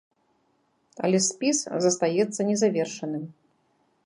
Але спіс застаецца незавершаным!